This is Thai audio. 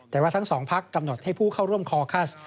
แต่ว่าทั้งสองพักกำหนดให้ผู้เข้าร่วมคอคัส